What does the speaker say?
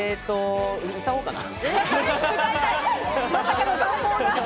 歌おうかな。